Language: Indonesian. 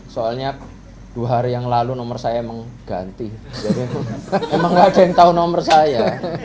soalnya dua hari yang lalu nomor saya emang ganti jadi emang gak ada yang tahu nomor saya